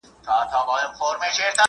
محصلین په خپلو پروژو کي نوي نوښتونه کوي.